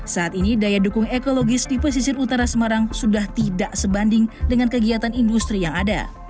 saat ini daya dukung ekologis di pesisir utara semarang sudah tidak sebanding dengan kegiatan industri yang ada